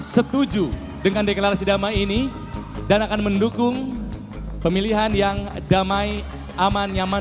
setuju dengan deklarasi damai ini dan akan mendukung pemilihan yang damai aman nyaman